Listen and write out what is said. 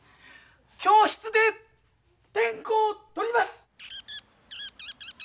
教室で点呼を取ります！